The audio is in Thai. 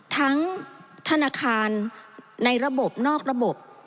ธนาคารในระบบนอกระบบ